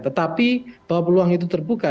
tetapi bahwa peluang itu terbuka